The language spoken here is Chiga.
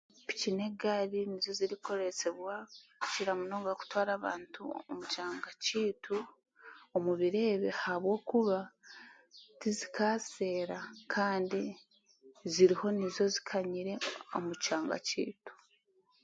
Piki n'egaari nizo zirikukoresibwa kukira munonga kutwara abantu omu kyanga kyaitu omu biro ebi ahabwokuba tizikaaseera kandi ziriho nizo zikanyire omu kyanga kyaitu.